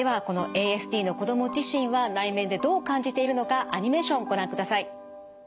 このＡＳＤの子ども自身は内面でどう感じているのかアニメーションをご覧ください。